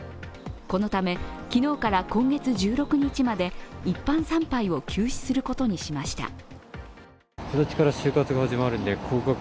このため、昨日から今月１６日まで一般参拝を休止することにしました。